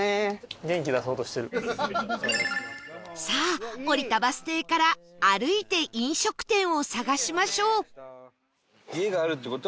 さあ降りたバス停から歩いて飲食店を探しましょう